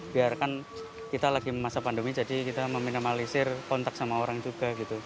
biarkan kita lagi masa pandemi jadi kita meminimalisir kontak sama orang juga gitu